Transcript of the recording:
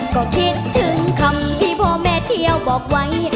ก็คิดถึงคำที่พ่อแม่เที่ยวบอกไว้